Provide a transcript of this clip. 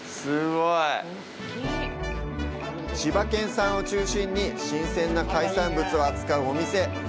千葉県産を中心に新鮮な海産物を扱うお店。